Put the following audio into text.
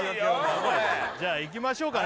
これじゃあいきましょうかね